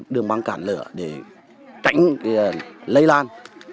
đường băng cản lửa để tránh lây lan